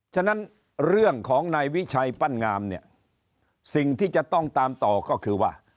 ฉะนั้นเรื่องของนายวิชัยปั้นงามเนี่ยสิ่งที่จะต้องตามต่อก็คือว่า